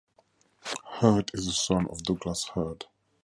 Hurd is the son of Douglas Hurd.